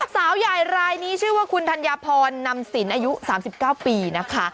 สาวใหญ่รายนี้ชื่อว่าคุณธัญพรนำสินอายุ๓๙ปีนะคะ